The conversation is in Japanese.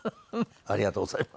ありがとうございます。